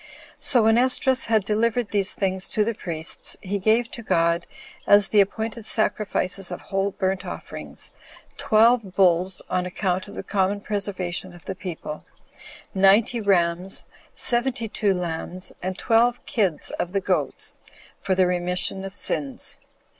So when Esdras had delivered these things to the priests, he gave to God, as the appointed sacrifices of whole burnt offerings, twelve bulls on account of the common preservation of the people, ninety rams, seventy two lambs, and twelve kids of the goats, for the remission of sins.